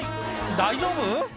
大丈夫？